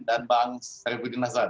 dan bang syarifudin nasrad